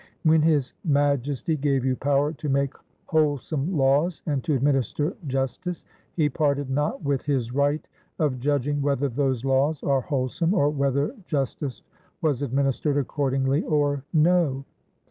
When His Majestie gave you power to make wholesome lawes and to administer justice, he parted not with his right of judging whether those laws are wholsom, or whether justice was administered accordingly or no.